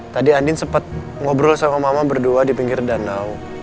tadi andin sempat ngobrol sama mama berdua di pinggir danau